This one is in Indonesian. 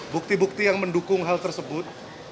bukti bukti yang mendukung hal tersebut